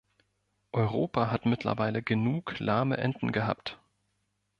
Europa hat mittlerweile genug lahme Enten gehabt!